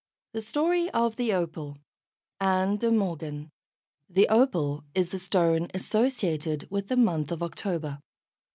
_ THE STORY OF THE OPAL ANN DE MORGAN The opal is the stone associated with the month of October.